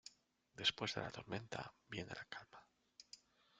Después de la tormenta viene la calma.